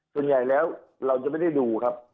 ส่วนใหญ่แล้วเราจะไม่ได้ดูครับ